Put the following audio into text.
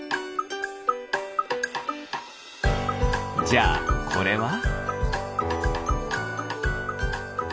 じゃあこれは？